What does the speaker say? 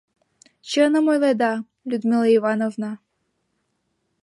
— Чыным ойледа, Людмила Ивановна!